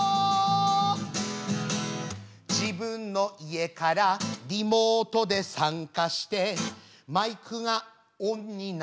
「自分の家からリモートで参加して」「マイクがオンになってるのに」